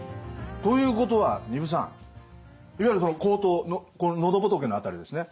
ということは丹生さんいわゆる喉頭喉仏の辺りですね